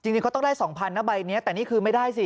จริงเขาต้องได้๒๐๐นะใบนี้แต่นี่คือไม่ได้สิ